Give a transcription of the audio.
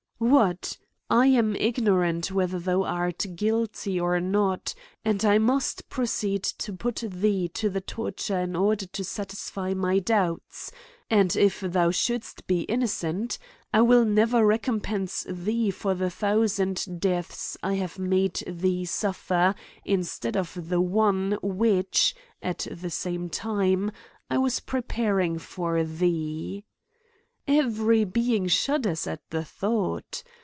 What !* I am ignorant whether thou art guilty or not, and I must proceed to put thee to the torture in order to satisfy my doubts ; and, if thou should est be innocent, I will never recompence thee for the thousand deaths I have made thee suf fer instead of the one which, at the same time, I was preparing for thee.' Every being shudders at the thought.